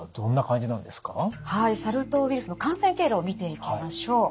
ウイルスの感染経路を見ていきましょう。